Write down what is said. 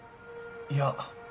いや。